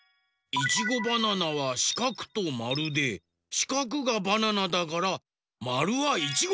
いちごバナナはしかくとまるでしかくがバナナだからまるはいちご！